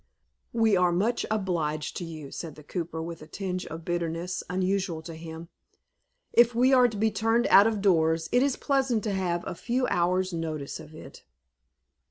"We are much obliged to you," said the cooper, with a tinge of bitterness unusual to him. "If we are to be turned out of doors, it is pleasant to have a few hours' notice of it."